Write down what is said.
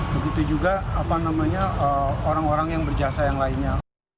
begitu juga orang orang yang berjasa yang lainnya